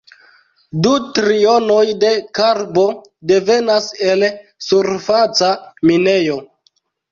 Du trionoj de karbo devenas el surfaca minejo.